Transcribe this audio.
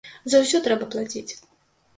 За ўсё трэба плаціць.